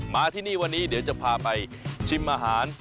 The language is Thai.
มาที่นี่วันนี้เดี๋ยวจะพาไปชิมอาหาร